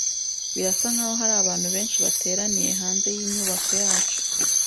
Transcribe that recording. Birasa nkaho hari abantu benshi bateraniye hanze yinyubako yacu.